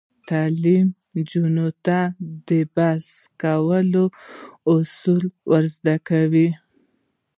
تعلیم نجونو ته د بحث کولو اصول ور زده کوي.